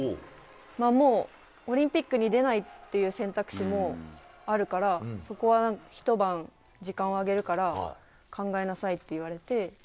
もうオリンピックに出ないっていう選択肢もあるからそこはひと晩、時間をあげるから考えなさいって言われて。